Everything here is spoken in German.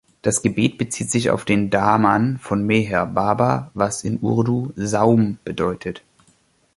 Das Gebet bezieht sich auf den „daaman“ von Meher Baba, was in Urdu „Saum“ bedeutet.